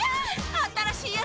新しいやつ！